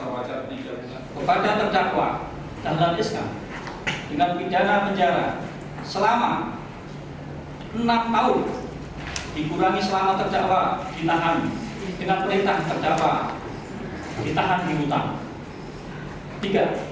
dengan pidana penjara selama enam tahun digurangi selama terdakwa ditahan dengan perintah terdakwa ditahan di hutang